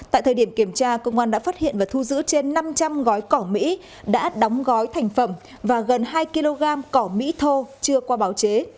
tại thời điểm kiểm tra công an đã phát hiện và thu giữ trên năm trăm linh gói cỏ mỹ đã đóng gói thành phẩm và gần hai kg cỏ mỹ thô chưa qua báo chế